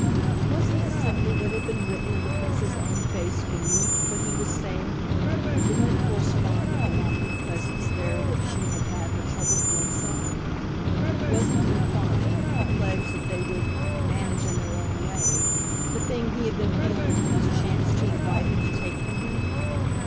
Wasn't it simply what had been written in the Prince's own face BENEATH what he was saying? didn't it correspond with the mocking presence there that she had had her troubled glimpse of? Wasn't, in fine, the pledge that they would "manage in their own way" the thing he had been feeling for his chance to invite her to take from him?